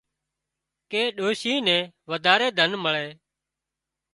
ڪي ڏوشي نين وڌاري ڌن مۯي